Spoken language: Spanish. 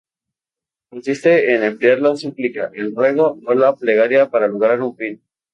Consiste en emplear la súplica, el ruego o la plegaria para lograr un fin.